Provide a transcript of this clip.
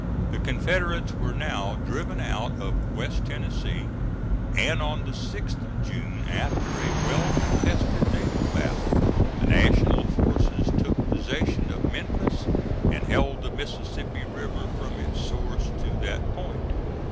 The Confederates were now driven out of West Tennessee, and on the 6th of June, after a well contested naval battle, the National forces took possession of Memphis and held the Mississippi river from its source to that point.